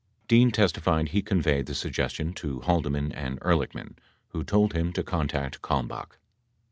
63 Dean testified he conveyed the suggestion to Haldeman and Ehrlich man who told him to contact Kalmbach.